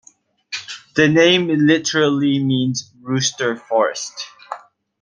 The name literally means rooster forest.